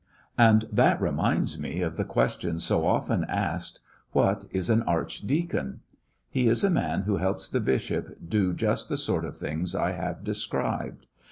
And that reminds me of the question so often asked. What is an archdeacon! He is a man who helps the bishop do just the sort of things I have described.